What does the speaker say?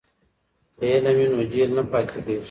که علم وي نو جهل نه پاتې کیږي.